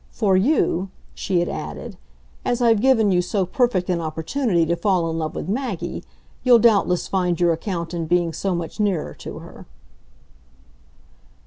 For you," she had added, "as I've given you so perfect an opportunity to fall in love with Maggie, you'll doubtless find your account in being so much nearer to her."